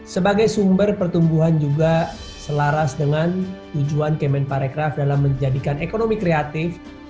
sebagai sumber pertumbuhan juga selaras dengan tujuan kemen parekraf dalam menjadikan ekonomi kreatif